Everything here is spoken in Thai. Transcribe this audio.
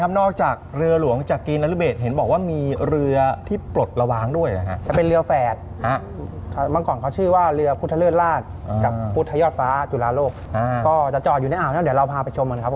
มันยังมีลิฟต์เพิ่มโลงเก็บข้างในครับ